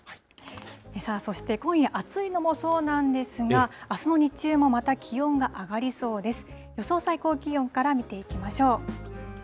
さあそして今夜、暑いのもそうなんですが、あすの日中もまた気温が上がりそうです。